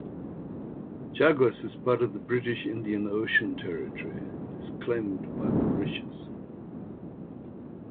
Chagos is part of the British Indian Ocean Territory and is claimed by Mauritius.